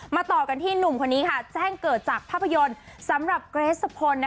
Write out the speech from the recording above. ต่อกันที่หนุ่มคนนี้แจ้งเกิดจากภาพยนตร์สำหรับเกรสสะพล